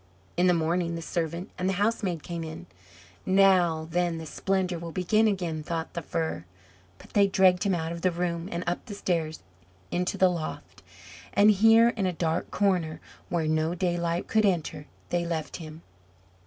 In the morning the servant and the housemaid came in. "Now, then, the splendour will begin again," thought the Fir. But they dragged him out of the room, and up the stairs into the loft; and here in a dark corner, where no daylight could enter, they left him.